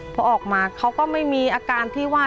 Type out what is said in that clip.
พอออกมาเขาก็ไม่มีอาการที่ว่า